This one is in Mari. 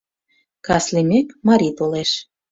Кас лиймек, Мари толеш